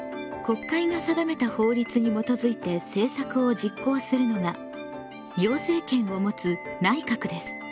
国会が定めた法律に基づいて政策を実行するのが行政権を持つ内閣です。